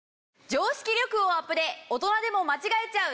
常識力をアプデ大人でも間違えちゃう！？